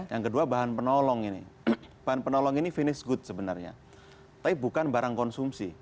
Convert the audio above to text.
yang kedua bahan penolong ini bahan penolong ini finish good sebenarnya tapi bukan barang konsumsi